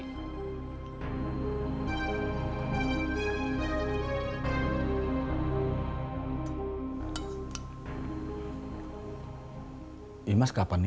dan siap coba mandi